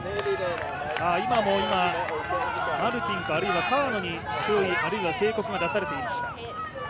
今もマルティンかあるいは川野に注意あるいは警告が出されていました。